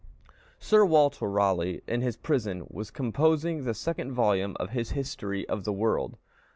Sir Walter Raleigh, in his prison, was composing the second volume of his History of the World.